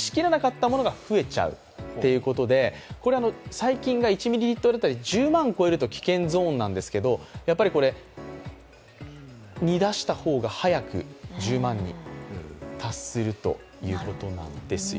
細菌が１ミリリットル当たり１０万を超えると危険なんですけどこれ、煮出した方が早く１０万に達するということなんですよね。